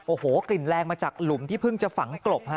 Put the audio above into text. โอ้โหกลิ่นแรงมาจากหลุมที่เพิ่งจะฝังกลบฮะ